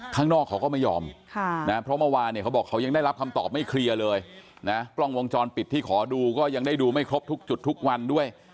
ข้างนอกเขาก็ไม่ยอมนะเพราะเมื่อวานเนี่ยเขาบอกเขายังได้รับคำตอบไม่เคลียร์เลยนะกล้องวงจรปิดที่ขอดูก็ยังได้ดูไม่ครบทุกจุดทุกวันด้วย